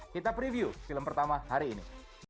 kita preview film pertama hari ini